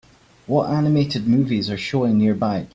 What animated movies are showing nearby